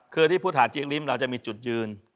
คือที่พุทธหาจิ๊กริมเราจะมีจุดยืน